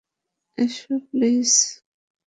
এসো, প্লীজ।